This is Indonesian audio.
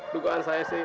dukungan saya sih